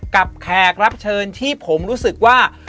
แขกรับเชิญที่ผมรู้สึกว่า